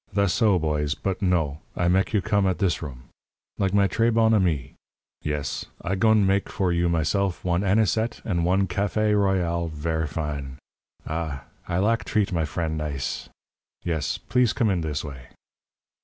"Thass so, boys. But no. I mek you come at this room, like my trés bon amis. Yes. I goin' mek for you myself one anisette and one café royale ver' fine. Ah! I lak treat my fren' nize. Yes. Plis come in this way."